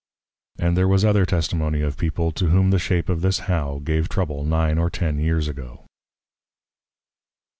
And there was other Testimony of People to whom the shape of this How, gave trouble nine or ten years ago.